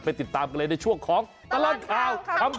ติดตามกันเลยในช่วงของตลอดข่าว